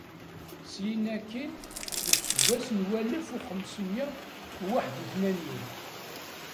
Syin akkin, deg useggas n walef u xemsemya u waḥed u tmanyin.